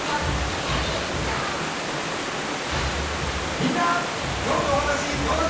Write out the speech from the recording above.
みんな今日のお話どうだったかな？